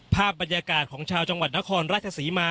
ภาพบรรยากาศของชาวจังหวัดนครราชศรีมา